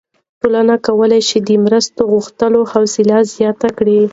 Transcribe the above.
ټولنه کولی شي د مرستې غوښتلو حوصله زیاته کړي.